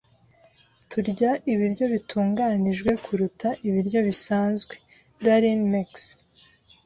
Turya ibiryo bitunganijwe kuruta ibiryo bisanzwe. (darinmex)